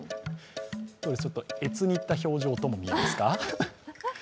悦に入った表情ともいえますか？